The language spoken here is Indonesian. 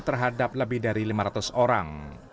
terhadap lebih dari lima ratus orang